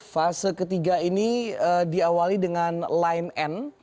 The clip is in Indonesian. fase ketiga ini diawali dengan line n